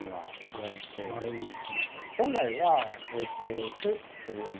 本来は。